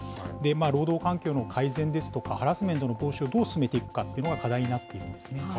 労働環境の改善ですとか、ハラスメントの防止をどう進めていくかというのが課題になっているんですね。